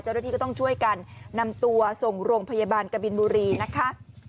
เจ้าหน้าที่ก็ต้องช่วยกันนำตัวส่งโรงพยาบาลกบินบุรีนะคะ